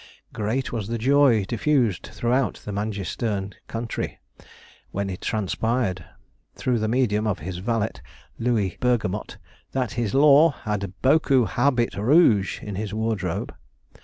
Great was the joy diffused throughout the Mangeysterne country when it transpired, through the medium of his valet, Louis Bergamotte, that 'his lor' had beaucoup habit rouge' in his wardrobe.